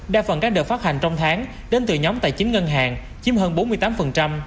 đa phần các đợt phát hành trong tháng đến từ nhóm tài chính ngân hàng chiếm hơn bốn mươi tám